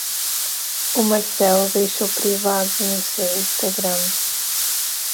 O Marcelo deixou privado no seu Instagram